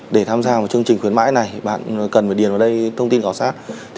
để tham gia một chương trình khuyến mãi này bạn cần phải điền vào đây thông tin khảo sát